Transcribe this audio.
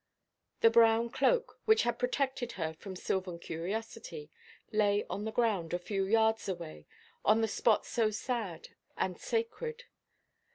The brown cloak, which had protected her from sylvan curiosity, lay on the ground, a few yards away, on the spot so sad and sacred.